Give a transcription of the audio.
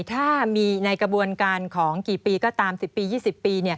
ถ้ามีในกระบวนการของกี่ปีก็ตาม๑๐ปี๒๐ปี